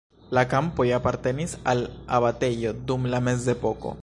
La kampoj apartenis al abatejo dum la mezepoko.